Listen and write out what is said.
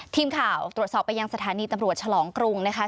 ทีมข่าวตรวจสอบไปยังสถานีตำรวจฉลองกรุงนะคะ